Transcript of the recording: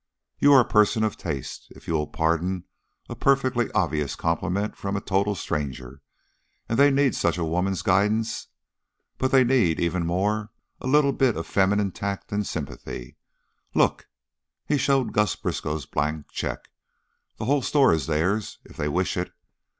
"You are a person of taste, if you will pardon a perfectly obvious compliment from a total stranger, and they need such a woman's guidance. But they need, even more, a little bit of feminine tact and sympathy. Look!" He showed Gus Briskow's blank check. "The whole store is theirs, if they wish it.